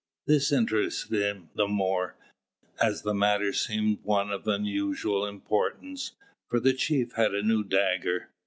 This interested him the more, as the matter seemed one of unusual importance; for the chief had on a new dagger.